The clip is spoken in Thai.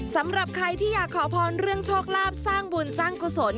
สำหรับใครที่อยากขอพรเรื่องโชคลาภสร้างบุญสร้างกุศล